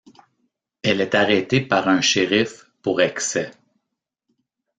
Elle est arrêtée par un shérif pour excès.